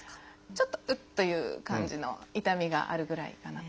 ちょっと「うっ」という感じの痛みがあるぐらいかなと。